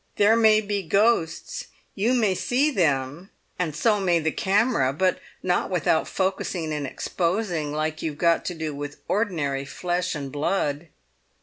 There may be ghosts, you may see them, and so may the camera, but not without focusing and exposing like you've got to do with ordinary flesh and blood!"